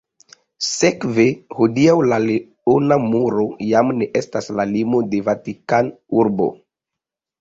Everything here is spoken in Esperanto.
Sekve hodiaŭ la leona muro jam ne estas la limo de Vatikanurbo.